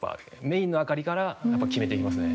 メインの明かりからやっぱ決めていきますね。